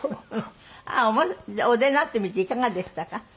じゃあお出になってみていかがでしたか？